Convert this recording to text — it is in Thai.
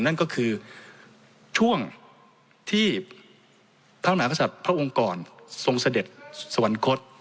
นั่นก็คือช่วงที่พระมหากษัตริย์พระองค์กรทรงเสด็จสวรรคต